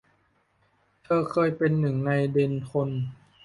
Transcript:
เธอเคยเป็นหนึ่งในเดนคน